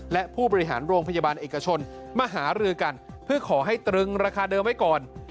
และผู้บริหารโรงพยาบาลเอกชนมหารือกันเพื่อขอให้ตรึงราคาเดิมไว้ก่อน